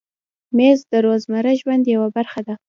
مېز د روزمره ژوند یوه برخه ده.